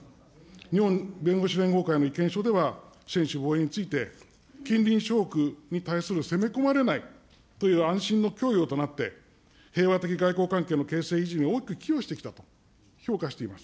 日本弁護士連合会の意見書では、専守防衛について、近隣諸国に対する攻め込まれないという安心の供与となって、平和的外交関係の形成維持に大きく維持してきたと評価しています。